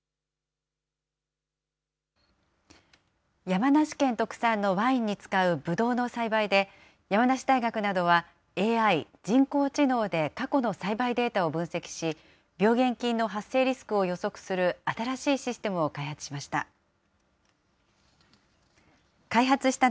山梨県特産のワインに使うぶどうの栽培で、山梨大学などはＡＩ・人工知能で過去の栽培データを分析し、病原菌の発生リスクを予測する新しいシステムを開発しました。